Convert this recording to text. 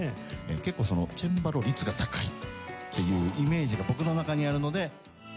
結構チェンバロ率が高いっていうイメージが僕の中にあるので。